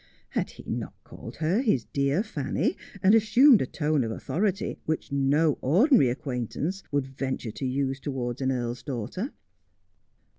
Had he not called her his dear Fanny, and assumed a tone of authority which no ordinary acquaintance would venture to use towards an earl's daughter